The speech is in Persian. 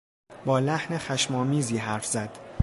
با لحن خشم آمیزی حرف زد.